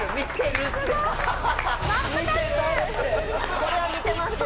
これは見てます。